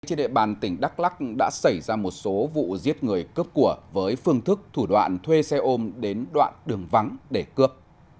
trên địa bàn tỉnh đắk lắc đã xảy ra một số vụ giết người cướp của với phương thức thủ đoạn thuê xe ôm đến đoạn đường vắng để cướp